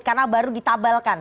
karena baru ditabalkan